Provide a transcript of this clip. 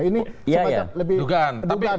ini semacam dugaan